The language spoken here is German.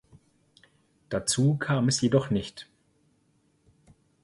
Dazu kam es jedoch nicht.